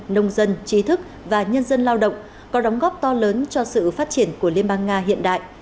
nông dân trí thức và nhân dân lao động có đóng góp to lớn cho sự phát triển của liên bang nga hiện đại